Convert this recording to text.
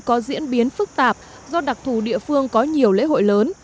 có diễn biến phức tạp do đặc thù địa phương có nhiều lễ hội lớn